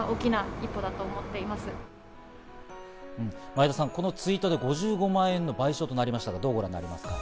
前田さん、このツイートで５５万円の賠償となりましたがどうご覧になりましたか？